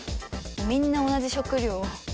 みんな同じ食料を。